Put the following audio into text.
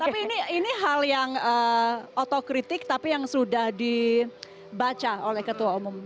tapi ini hal yang otokritik tapi yang sudah dibaca oleh ketua umum